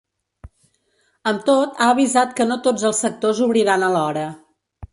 Amb tot, ha avisat que no tots els sectors obriran alhora.